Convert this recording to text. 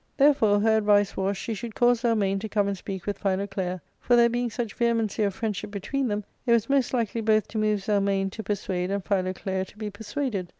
Therefore her advice was she should cause Zelmane to come and speak with Philoclea ; for, there being ^ such vehemency of friendship between them, it was most \ likely both to move Zelmane to persuade and Philoclea to be > persuaded.